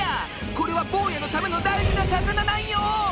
これは坊やのための大事な魚なんよ！